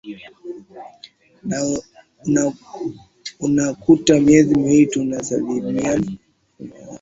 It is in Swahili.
Unakuta miezi miwili tunalima na mwezi mzima tunashindwa kulima